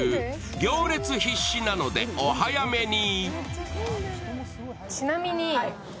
行列必至なのでお早めに。